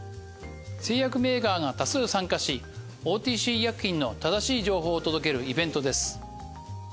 製薬メーカーが多数参加しＯＴＣ医薬品の正しい情報を届けるイベントです。